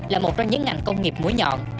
là một trong những ngành công nghiệp mũi nhọn